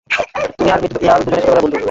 তুমি আর মৃত ইয়াল দুজনেই ছোটবেলার বন্ধু।